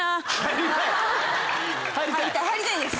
入りたいです。